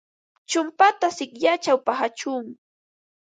Chumpata sikyachaw paqashun.